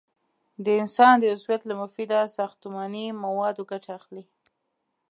د انسان د عضویت له مفیده ساختماني موادو ګټه اخلي.